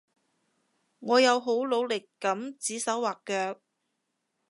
我有好努力噉指手劃腳